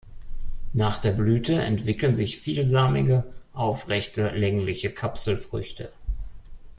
Nach der Blüte entwickeln sich vielsamige, aufrechte, längliche Kapselfrüchte.